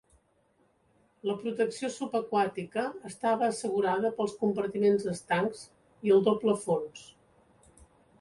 La protecció subaquàtica estava assegurada pels compartiments estancs i el doble fons.